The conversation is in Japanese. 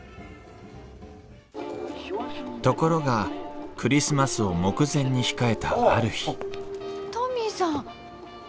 ところがクリスマスを目前に控えたある日トミーさん。